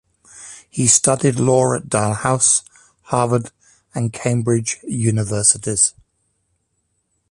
He studied law at Dalhousie, Harvard and Cambridge Universities.